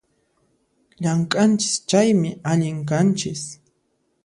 Llamk'anchis chaymi, allin kanchis